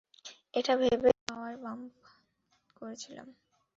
এটা ভেবেই power bump করেছিলাম।